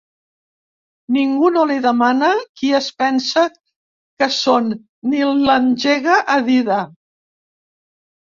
Ningú no li demana qui es pensa que són ni l'engega a dida.